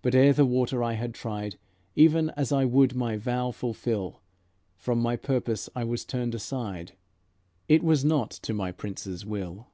But ere the water I had tried, Even as I would my vow fulfill, From my purpose I was turned aside; It was not to my Prince's will.